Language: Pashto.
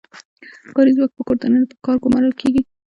کاري ځواک په کور دننه په کار ګومارل کیږي.